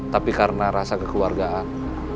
tapi karena rasa kekeluargaan